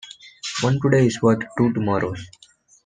One today is worth two tomorrows.